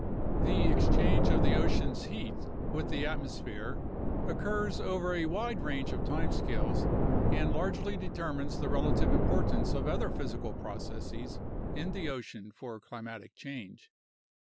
The exchange of the ocean's heat with the atmosphere occurs over a wide range of time scales and largely determines the relative importance of other physical processes in the ocean for climatic change.